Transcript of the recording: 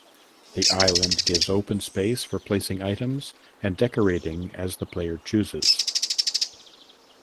The island gives open space for placing items and decorating as the player chooses.